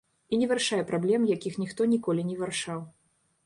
І не вырашае праблем, якіх ніхто ніколі не вырашаў.